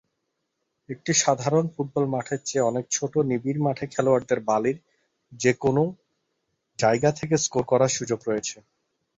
একটি সাধারণ ফুটবল মাঠের চেয়ে অনেক ছোট নিবিড় মাঠে খেলোয়াড়দের বালির যে কোনও জায়গা থেকে স্কোর করার সুযোগ রয়েছে।